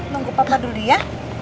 nunggu papa dulu ya